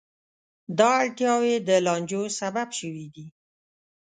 دا اړتیاوې د لانجو سبب شوې دي.